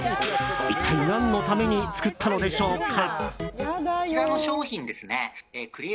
一体何のために作ったのでしょうか。